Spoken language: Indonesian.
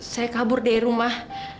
saya kabur dari rumah